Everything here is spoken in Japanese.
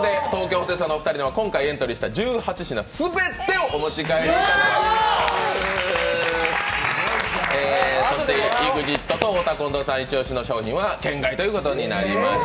ホテイソンの２人には今回エントリーした１８品、全てをお持ち帰りいただきます。